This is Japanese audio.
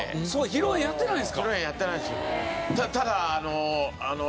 披露宴やってないんです。